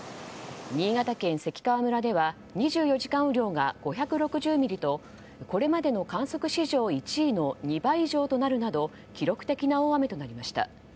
新潟県関川村では２４時間雨量が５６０ミリとこれまでの観測史上１位の２倍以上となるなど記録的な大雨となりました。